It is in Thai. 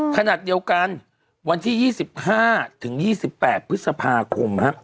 ขณะเดียวกันวันที่๒๕ถึง๒๘พฤษภาคม